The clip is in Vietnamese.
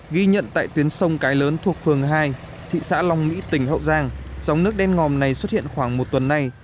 ghi nhận tại tuyến sông cái lớn thuộc phường hai thị xã long mỹ tỉnh hậu giang gióng nước đen ngòm này xuất hiện khoảng một tuần nay